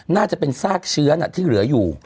น่าจะเป็นซากเชื้อที่เหลืออยู่